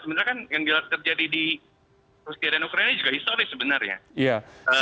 sebenarnya kan yang terjadi di rusia dan ukraina juga historis sebenarnya